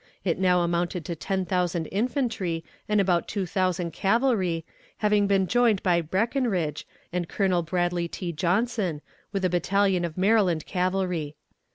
It now amounted to ten thousand infantry and about two thousand cavalry, having been joined by Breckinridge, and Colonel Bradley T. Johnson, with a battalion of Maryland cavalry.